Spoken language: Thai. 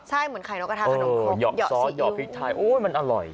ใช่เหมือนไข่นกกระทะขนมซอสหอบพริกไทยโอ้ยมันอร่อย